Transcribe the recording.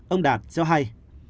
ông đạt cho hay